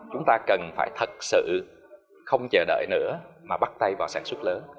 chúng ta cần phải thật sự không chờ đợi nữa mà bắt tay vào sản xuất lớn